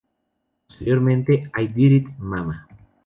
Posteriormente, "I Did It, Mama!